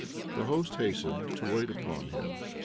The host hastened to wait upon him.